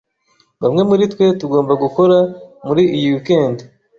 Bamwe muritwe tugomba gukora muri iyi weekend.